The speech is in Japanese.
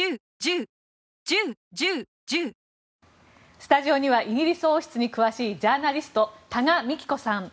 スタジオにはイギリス王室に詳しいジャーナリスト多賀幹子さん。